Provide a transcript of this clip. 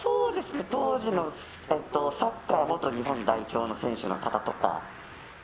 当時のだとサッカー元日本代表の選手の方とか。